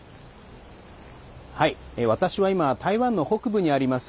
私は今、台湾の北部にあります